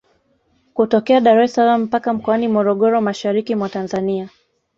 Kutokea Dar es salaam mpaka Mkoani Morogoro mashariki mwa Tanzania